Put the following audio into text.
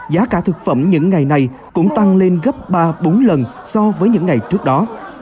giá cả thực phẩm những ngày này cũng tăng lên gấp ba bốn lần so với những ngày trước đó